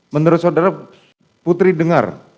menurut saudara putri dengar